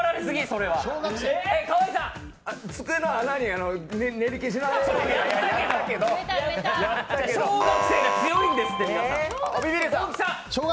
それやったけど、小学生が強いんですって、皆さん。